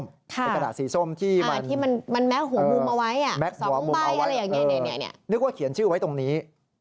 พี่มีถามมาที่มันแมะหัวมุมเอาไว้นึกว่าเขียนชื่อไว้ตรงนี้